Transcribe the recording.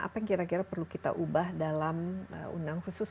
apa yang kira kira perlu kita ubah dalam undang khusus